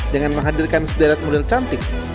dengan menghadirkan sederet model cantik